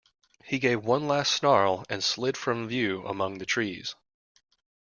He gave one last snarl and slid from view among the trees.